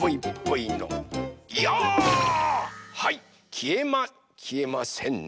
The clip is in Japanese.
はいきえまきえませんね。